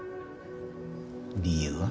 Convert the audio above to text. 理由は？